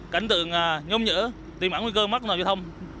cảnh tượng nhôm nhỡ tìm ảnh nguy cơ mất nội dung thông